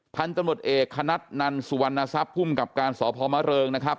พันธนตรวจเอกคณัตนันสุวรรณทรัพย์พุ่มกับการสอบภอมะเริงนะครับ